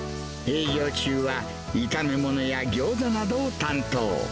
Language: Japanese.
営業中は炒め物やギョーザなどを担当。